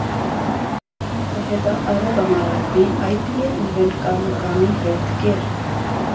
متحدہ عرب امارات میں آئی پی ایل ایونٹ کا مقامی ہیلتھ کیئر